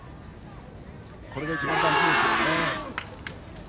これが一番大事です。